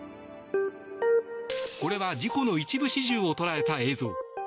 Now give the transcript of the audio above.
これは事故の一部始終を捉えた映像。